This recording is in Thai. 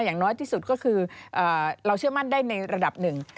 อย่างน้อยที่สุดก็คือเราเชื่อมั่นได้ในระดับหนึ่ง